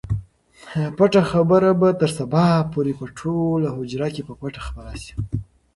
پټه خبره به تر سبا پورې په ټوله حجره کې په پټه خپره شي.